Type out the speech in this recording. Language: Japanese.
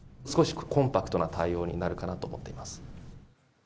少しコンパクトな対応になるかなと思っています。